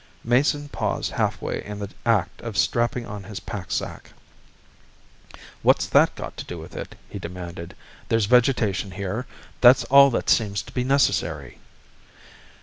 Mason paused halfway in the act of strapping on his packsack. "What's that got to do with it?" he demanded. "There's vegetation here. That's all that seems to be necessary."